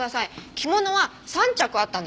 着物は３着あったんですよ。